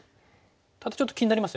ただちょっと気になりますよね。